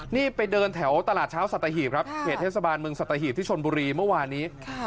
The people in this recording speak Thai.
นี่ไปเดินแถวตลาดเช้าสัตหีบครับเขตเทศบาลเมืองสัตหีบที่ชนบุรีเมื่อวานนี้